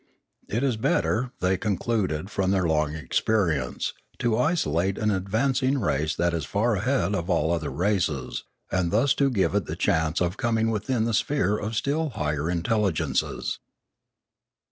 It is better, they concluded from their long experience, to isolate an advancing race that is far ahead of all other races, and thus to give it the chance of coming within the sphere of still higher intelligences.